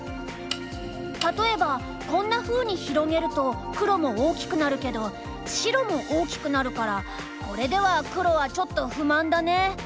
例えばこんなふうに広げると黒も大きくなるけど白も大きくなるからこれでは黒はちょっと不満だね。